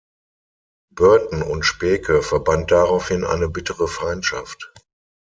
Burton und Speke verband daraufhin eine bittere Feindschaft.